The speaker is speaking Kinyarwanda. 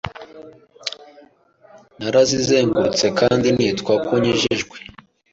narazizengurutse kandi nitwa ko nkijijwe